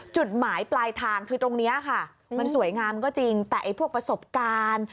จุดหมายปลายทางคือตรงนี้ค่ะมันสวยงามก็จริงแต่ไอ้พวกประสบการณ์